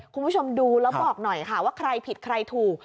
คุณผู้ชมดูแล้วบอกหน่อยค่ะว่าใครผิดใครถูก